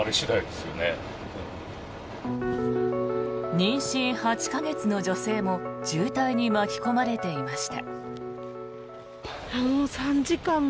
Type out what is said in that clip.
妊娠８か月の女性も渋滞に巻き込まれていました。